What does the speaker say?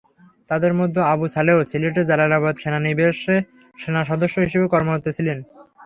তাঁদের মধ্যে আবু সালেহ সিলেটের জালালাবাদ সেনানিবাসে সেনাসদস্য হিসেবে কর্মরত ছিলেন।